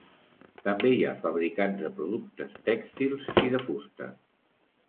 També hi ha fabricants de productes tèxtils i de fusta.